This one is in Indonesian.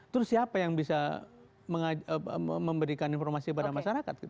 terus siapa yang bisa memberikan informasi kepada masyarakat